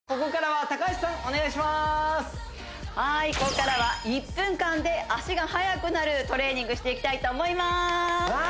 はいここからは１分間で足が速くなるトレーニングしていきたいと思いますわあ！